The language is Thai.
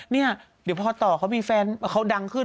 เนี่ยเดี๋ยวพอต่อเขามีแฟนเขาดังขึ้น